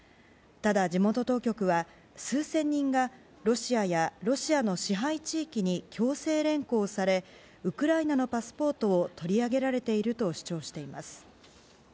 ただ、地元当局は数千人がロシアやロシアの支配地域に強制連行されウクライナのパスポートを取り上げられていると主張しています。